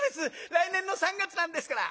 来年の三月なんですから」。